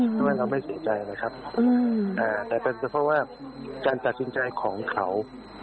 ไม่ใช่ว่าเราไม่เสียใจนะครับอืมอ่าแต่เป็นเพราะว่าการตัดสินใจของเขา